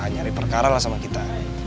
nyari perkara lah sama kita